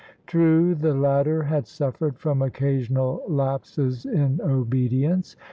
True, the latter had sufFered from occasional lapses in obedience.